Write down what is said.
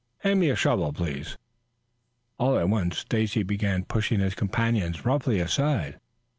Hand me a shovel, please." All at once Stacy began pushing his companions roughly aside.